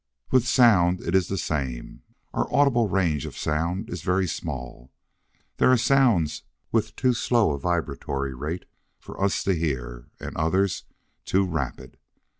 With sound it is the same. Our audible range of sound is very small. There are sounds with too slow a vibratory rate for us to hear, and others too rapid.